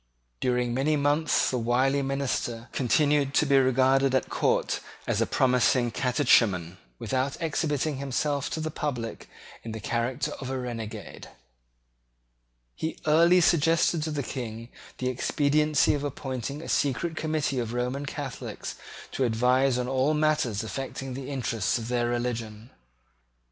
During many months the wily minister continued to be regarded at court as a promising catechumen, without exhibiting himself to the public in the character of a renegade. He early suggested to the King the expediency of appointing a secret committee of Roman Catholics to advise on all matters affecting the interests of their religion.